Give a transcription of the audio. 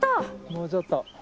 もうちょっと。